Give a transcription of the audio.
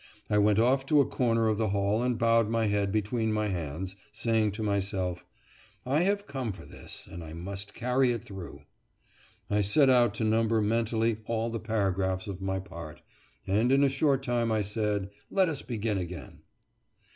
I went off to a corner of the hall and bowed my head between my hands, saying to myself, "I have come for this, and I must carry it through." I set out to number mentally all the paragraphs of my part, and in a short time I said. "Let us begin again."